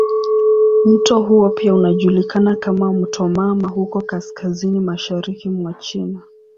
Mto huo pia unajulikana kama "mto mama" huko kaskazini mashariki mwa China.